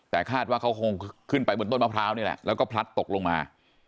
แต่คาดว่าเขาคงขึ้นไปบนต้นมะพร้าวนี่แหละแล้วก็พลัดตกลงมา